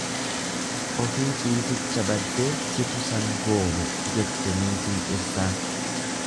Ofii ciisicha baddee situ sangoome jette niitiin dhirsaan.